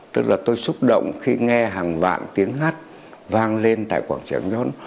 tức là tôi xúc động khi nghe hàng vạn tiếng hát vang lên tại quảng trường nhốt